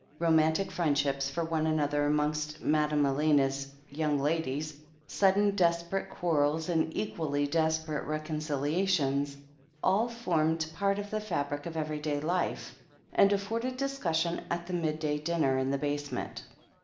Romantic friendships for one another amongst Madame Elena's ''young ladies/' sud den desperate quarrels and equally desperate reconcilia tions, all formed part of the fabric of everyday life, and afforded discussion at the midday dinner in the basement.